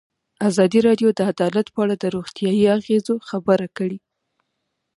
ازادي راډیو د عدالت په اړه د روغتیایي اغېزو خبره کړې.